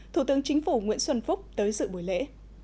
thủ tướng chính phủ nguyễn xuân phúc tới dự buổi lễ